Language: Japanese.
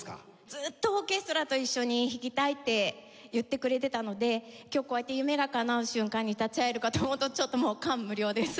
ずっとオーケストラと一緒に弾きたいって言ってくれてたので今日こうやって夢がかなう瞬間に立ち会えるかと思うとちょっともう感無量です。